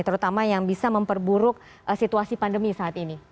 terutama yang bisa memperburuk situasi pandemi saat ini